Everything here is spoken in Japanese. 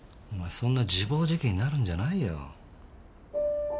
そんな自暴自棄になるんじゃないよ。